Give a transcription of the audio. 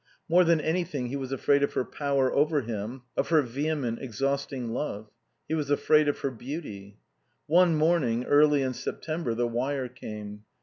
More than anything he was afraid of her power over him, of her vehement, exhausting love. He was afraid of her beauty. One morning, early in September, the wire came.